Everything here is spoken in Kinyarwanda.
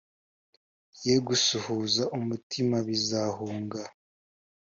Ye gusuhuza umutima bizahunga